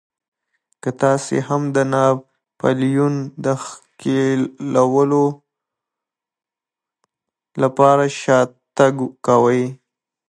که تاسې هم د ناپلیون د ښکېلولو لپاره شاتګ کوئ.